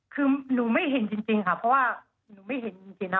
เขาสัญญาณว่าให้หยุดรถ